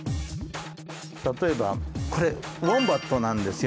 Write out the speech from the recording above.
例えばこれウォンバットなんですよ。